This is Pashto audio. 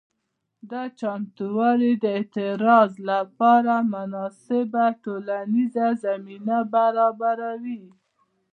دا چمتووالي د اعتراض لپاره مناسبه ټولنیزه زمینه برابروي.